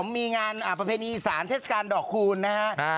มีงานประเพณีสารเทศกาลดอกคูณนะครับ